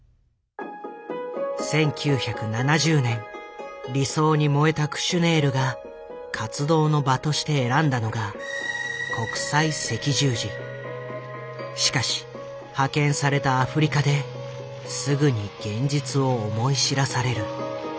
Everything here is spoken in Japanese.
１９７０年理想に燃えたクシュネールが活動の場として選んだのがしかし派遣されたアフリカですぐに現実を思い知らされる。